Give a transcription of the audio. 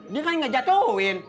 dia kan gak jatuhin